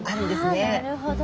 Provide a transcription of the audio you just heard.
あなるほど。